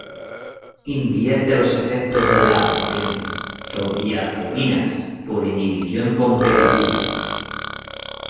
Invierte los efectos de las benzodiazepinas por inhibición competitiva.